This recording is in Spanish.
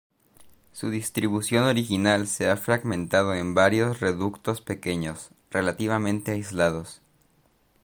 Su distribución original se ha fragmentado en varios reductos pequeños, relativamente aislados.